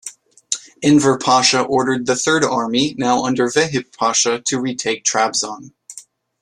Enver Pasha ordered the Third Army, now under Vehip Pasha, to retake Trabzon.